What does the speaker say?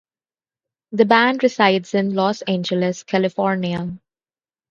The band resides in Los Angeles, California.